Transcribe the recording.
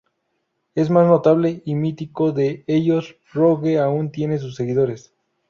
El más notable y mítico de ellos Rogue aún tiene sus seguidores.